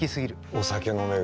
お酒飲める。